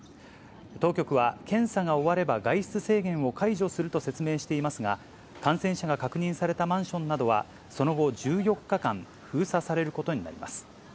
当局は検査が終われば外出制限を解除すると説明していますが、感染者が確認されたマンションなどはその後、１４日間、封鎖されることになります。